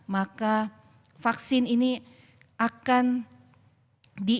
maka vaksin ini akan diberikan